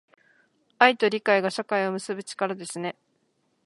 愛と理解が、社会を結ぶ力ですね。